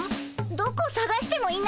どこさがしてもいないんだよ。